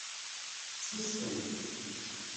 Ssusfen.